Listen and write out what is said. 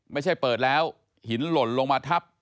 ไม่ใช่เปิดแล้วหินหล่นลงมาทับ